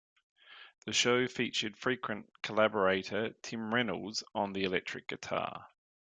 The show featured frequent collaborator Tim Reynolds on the electric guitar.